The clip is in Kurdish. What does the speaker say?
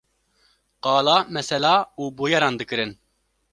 Qala mesela û bûyeran dikirin